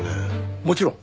もちろん。